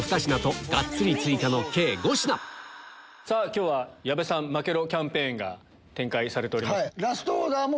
今日は矢部さん負けろキャンペーンが展開されております。